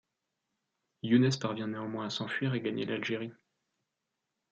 Younès parvient néanmoins à s'enfuir et gagner l'Algérie.